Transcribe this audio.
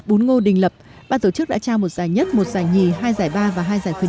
bún ngô đình lập ban tổ chức đã trao một giải nhất một giải nhì hai giải ba và hai giải khuyến